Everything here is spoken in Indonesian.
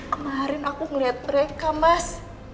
kemarin aku ngeliat mereka mas